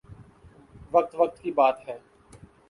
وقت وقت کی بات ہے